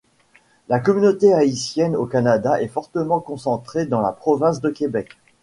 La communauté haïtienne au Canada est fortement concentrée dans la province de Québec.